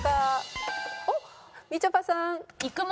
おっみちょぱさん。